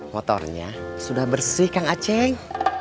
motornya sudah bersih kang aceh